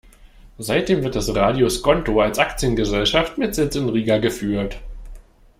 Seitdem wird Radio Skonto als Aktiengesellschaft mit Sitz in Riga geführt.